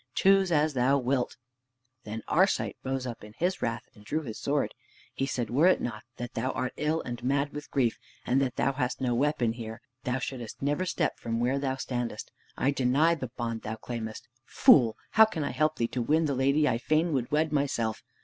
Choose as thou wilt!" Then Arcite rose up in his wrath and drew his sword. He said, "Were it not that thou art ill and mad with grief, and that thou hast no weapon here, thou shouldest never step from where thou standest. I deny the bond thou claimest! Fool! how can I help thee to win the lady I fain would wed myself?